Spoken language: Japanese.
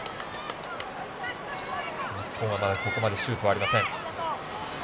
日本は、ここまでまだシュートはありません。